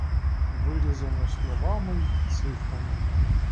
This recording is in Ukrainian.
Вирізано словами й цифрами!